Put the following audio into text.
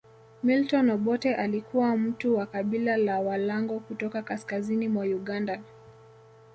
Milton Obote alikuwa mtu wa Kabila la Walango kutoka kaskazini mwa Uganda